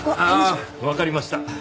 ああわかりました。